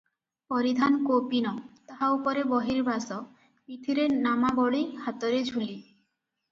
ପରିଧାନ କୌପୀନ; ତାହା ଉପରେ ବହିର୍ବାସ, ପିଠିରେ ନାମାବଳୀ, ହାତରେ ଝୁଲି ।